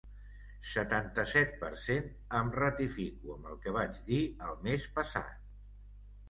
Setanta-set per cent Em ratifico amb el que vaig dir el mes passat.